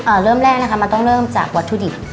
เริ่มแรกนะคะมันต้องเริ่มจากวัตถุดิบ